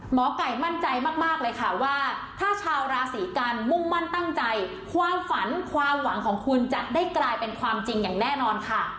หมอไก่มั่นใจมากเลยค่ะว่าถ้าชาวราศีกันมุ่งมั่นตั้งใจความฝันความหวังของคุณจะได้กลายเป็นความจริงอย่างแน่นอนค่ะ